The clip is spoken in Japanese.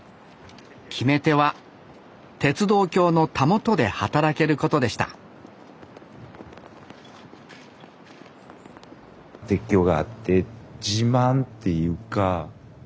決め手は鉄道橋のたもとで働けることでした鉄橋があって自慢っていうか